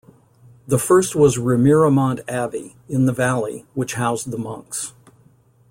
The first was Remiremont Abbey, in the valley, which housed the monks.